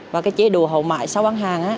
và chế độ hậu mại sau bán hàng